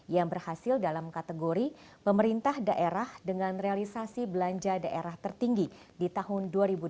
yang berhasil dalam kategori pemerintah daerah dengan realisasi belanja daerah tertinggi di tahun dua ribu delapan belas